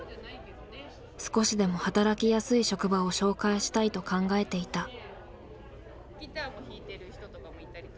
少しでも働きやすい職場を紹介したいと考えていた。